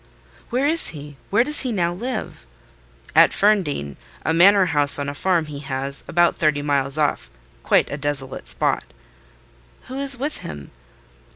"Where is he? Where does he now live?" "At Ferndean, a manor house on a farm he has, about thirty miles off: quite a desolate spot." "Who is with him?"